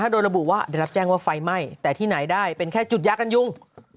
โดยระบุว่าได้รับแจ้งว่าไฟไหม้แต่ที่ไหนได้เป็นแค่จุดยากันยุง